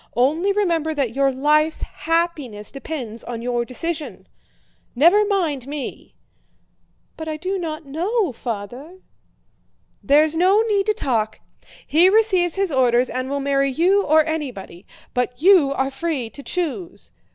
Only remember that your life's happiness depends on your decision. Never mind me!" "But I do not know, Father!" "There's no need to talk! He receives his orders and will marry you or anybody; but you are free to choose....